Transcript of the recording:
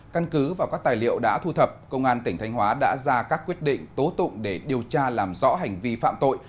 căn cứ vào các tài liệu đã thu thập công an tỉnh thanh hóa đã ra các quyết định tố tụng để điều tra làm rõ hành vi phạm tội